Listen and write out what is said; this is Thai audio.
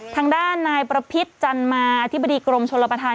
ทางด้านนายประพิษจันมาอธิบดีกรมชลประธาน